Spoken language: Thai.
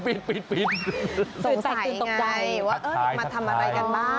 สงสัยไงว่ามาทำอะไรกันบ้าง